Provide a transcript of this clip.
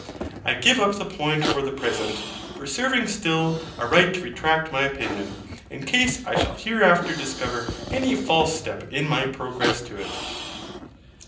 I give up the point for the present, reserving still a right to retract my opinion, in case I shall hereafter discover any false step in my progress to it.